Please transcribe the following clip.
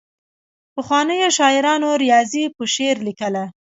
پخوانیو شاعرانو ریاضي په شعر لیکله.